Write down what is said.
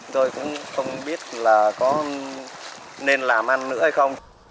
tôi cũng không biết là có nên làm ăn nữa hay không